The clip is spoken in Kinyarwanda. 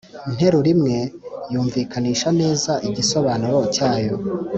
nteruro imwe yumvikanisha neza igisobanuro cyayo